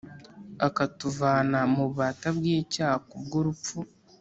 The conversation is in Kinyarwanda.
akatuvana mu bubata bw icyaha Ku bw urupfu